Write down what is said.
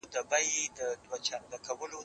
زه به سبا ته فکر وکړم؟!